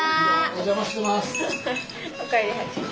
お邪魔してます。